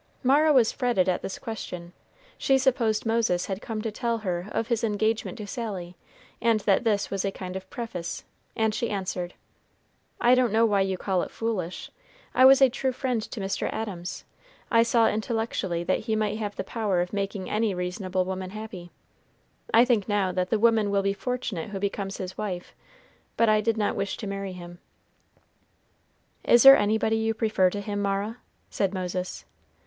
Mara was fretted at this question. She supposed Moses had come to tell her of his engagement to Sally, and that this was a kind of preface, and she answered, "I don't know why you call it foolish. I was a true friend to Mr. Adams. I saw intellectually that he might have the power of making any reasonable woman happy. I think now that the woman will be fortunate who becomes his wife; but I did not wish to marry him." "Is there anybody you prefer to him, Mara?" said Moses.